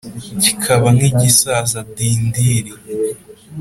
kikaba nk’igisaza dindiri